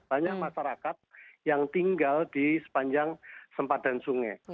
banyak masyarakat yang tinggal di sepanjang sempadan sungai